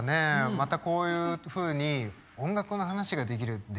またこういうふうに音楽の話ができるでしょ？